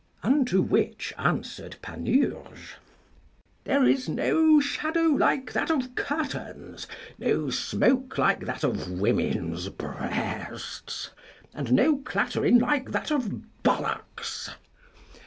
Unto which answered Panurge, There is no shadow like that of curtains, no smoke like that of women's breasts, and no clattering like that of ballocks.